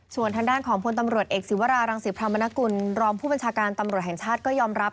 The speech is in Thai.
สำคัญระหว่างประเทศครับ